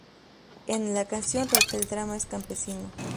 En "La Canción Rota", el drama es campesino.